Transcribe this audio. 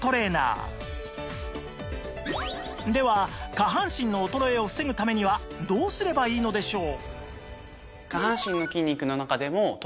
下半身の衰えを防ぐためにはどうすればいいのでしょう？